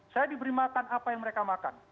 saya diberi makan apa yang mereka makan